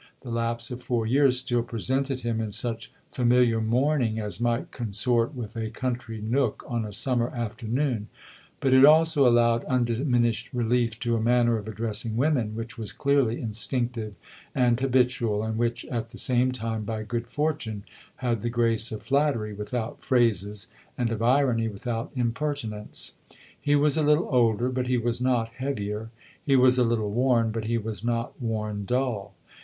The lapse of four years still presented him in such familiar mourning THE OTHER HOUSE 145 as might consort with a country nook on a summer afternoon ; but it also allowed undiminished relief to a manner of addressing women which was clearly instinctive and habitual and which, at the same time, by good fortune, had the grace of flattery without phrases and of irony without impertinence. He was a little older, but he was not heavier ; he was a little worn, but he was not worn dull.